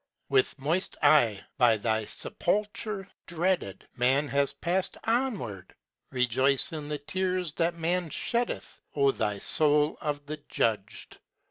With moist eye, by thy sepulchre dreaded, Man has passed onward Rejoice in the tears that man sheddeth, Oh thou soul of the judged!